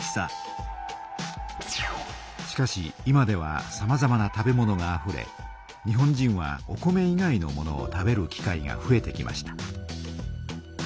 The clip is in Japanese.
しかし今ではさまざまな食べ物があふれ日本人はお米以外の物を食べる機会がふえてきました。